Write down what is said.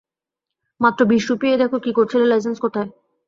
মাত্র বিশ রূপি এই দেখ কী করেছিস লাইসেন্স কোথায়?